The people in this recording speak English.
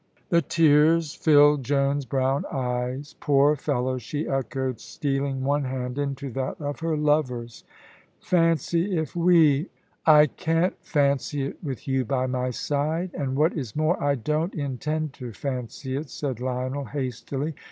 The tears filled Joan's brown eyes. "Poor fellow!" she echoed, stealing one hand into that of her lover's. "Fancy, if we " "I can't fancy it with you by my side. And what is more, I don't intend to fancy it," said Lionel, hastily.